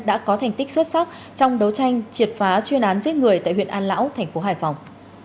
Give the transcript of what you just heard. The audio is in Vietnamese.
đã có thành tích xuất sắc trong đấu tranh triệt phá chuyên án giết người tại huyện an lão thành phố hải phòng